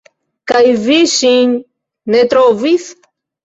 Kaj vi ŝin ne trovis?